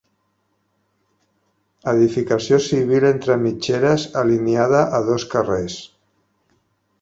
Edificació civil entre mitgeres, alineada a dos carrers.